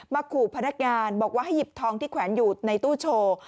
ขู่พนักงานบอกว่าให้หยิบทองที่แขวนอยู่ในตู้โชว์